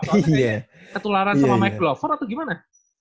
soalnya kayak ketularan sama mike glover atau gimana